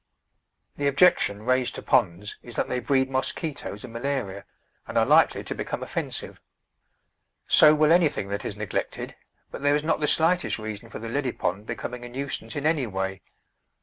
The objection raised to ponds is that they breed mosquitoes and malaria and are likely to become offensive. So will anything that is neglected, but there is not the slightest reason for the lily pond becoming a nuisance in any way.